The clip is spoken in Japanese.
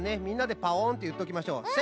みんなでパオンっていっときましょう。